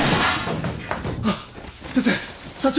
あっ先生。